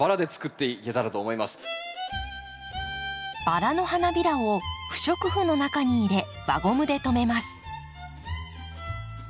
バラの花びらを不織布の中に入れ輪ゴムで留めます。